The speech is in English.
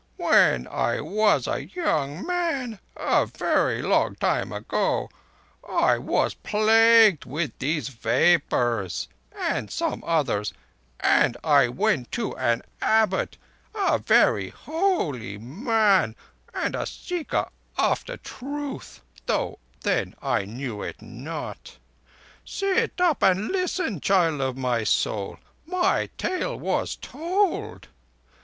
When I was a young man, a very long time ago, I was plagued with these vapours—and some others—and I went to an Abbot—a very holy man and a seeker after truth, though then I knew it not. Sit up and listen, child of my soul! My tale was told.